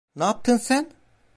Ne yaptın sen?